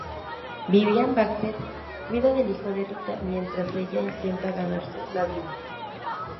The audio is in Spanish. Vivian Baxter cuida del hijo de Rita mientras ella intenta ganarse la vida.